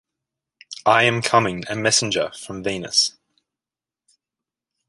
I am coming, a messenger from Venus...